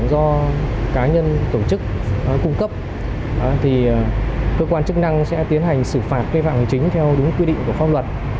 do cá nhân tổ chức cung cấp thì cơ quan chức năng sẽ tiến hành xử phạt cây vạng chính theo đúng quy định của pháp luật